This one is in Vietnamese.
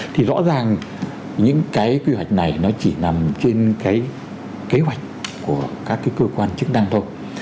thì rõ ràng những cái quy hoạch này nó chỉ nằm trên cái kế hoạch của các cái cơ quan chức năng thôi